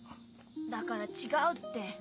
だから違うって。